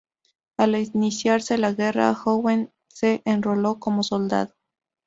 Al iniciarse la guerra, Owen se enroló como soldado.